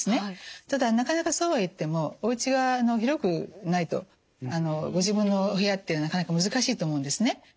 ただなかなかそうはいってもおうちが広くないとご自分のお部屋ってなかなか難しいと思うんですね。